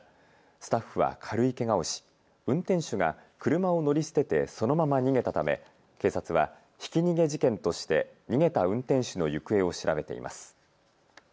スタッフは軽いけがをし運転手が車を乗り捨ててそのまま逃げたため警察はひき逃げ事件として逃げた運転手の行方を調べています。